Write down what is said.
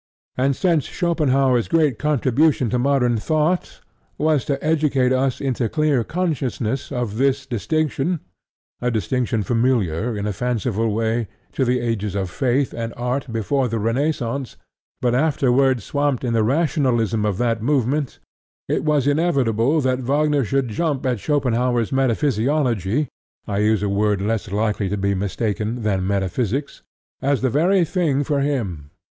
And since Schopenhaur's great contribution to modern thought was to educate us into clear consciousness of this distinction a distinction familiar, in a fanciful way, to the Ages of Faith and Art before the Renascence, but afterwards swamped in the Rationalism of that movement it was inevitable that Wagner should jump at Schopenhaur's metaphysiology (I use a word less likely to be mistaken than metaphysics) as the very thing for him.